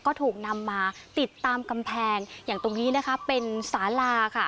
ก็ถูกนำมาติดตามกำแพงอย่างตรงนี้นะคะเป็นสาลาค่ะ